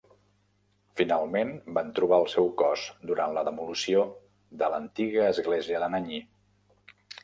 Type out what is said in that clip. Finalment van trobar el seu cos durant la demolició de l'antiga església d'Anagni.